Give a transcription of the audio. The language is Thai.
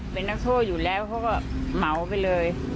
เป็นนักโทษอยู่แล้วเขาก็เหมาไปเลย